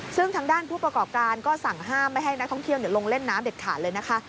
ซึ่งทางด้านผู้ประกอบการก็สั่งห้ามไม่ให้นักท่องเที่ยวลงเล่นน้ำเด็ดขาดเลยนะคะ